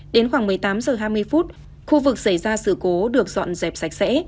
đến khoảng một mươi tám h hai mươi phút khu vực xảy ra sự cố được dọn dẹp sạch sẽ